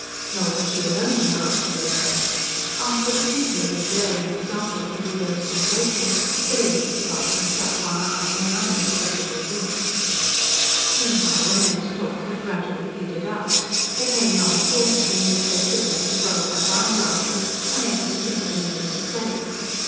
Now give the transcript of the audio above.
Nor was she alone in her observations. After a particularly glaring example of the widow's complaisance, Tilly looked across and shut one eye, in an unmistakable wink. Meanwhile the men's talk had gradually petered out: there came long pauses in which they twiddled and twirled their wine glasses, unable to think of anything to say.